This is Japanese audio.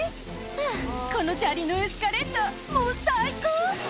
「はぁこの砂利のエスカレーターもう最高」